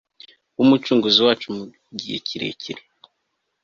wUmucunguzi wacu mu gihe kirekire